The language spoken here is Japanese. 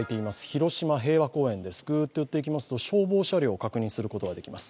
広島・平和公園です、ぐーっと寄っていきますと消防車両が確認できます。